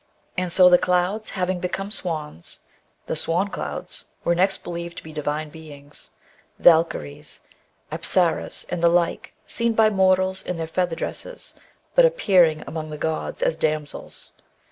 And so, the clouds having become swans, the swan clouds 'were next believed to be divine beings, vaJkyries, apsaras, and the like, seen by mortals in their feather dresses, but appearing among the gods as damsels.